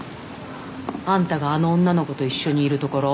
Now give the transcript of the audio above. あんたがあの女の子と一緒にいるところ。